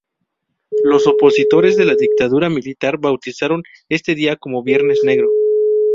Los opositores de la Dictadura Militar bautizaron este día como Viernes Negro.